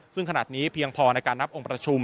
ซึ่งขนาดนี้เพียงพอในการนับองค์ประชุม